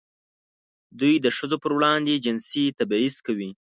دوی د ښځو پر وړاندې جنسي تبعیض کوي.